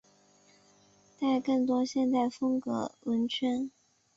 带更多现代风格轮圈。